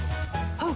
あっ！